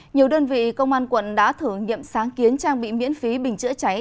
nhiều đơn vị công an quận đã thử nghiệm sáng kiến trang bị miễn phí bình chữa cháy